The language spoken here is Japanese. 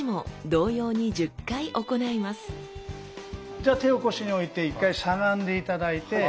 じゃあ手を腰において一回しゃがんで頂いて。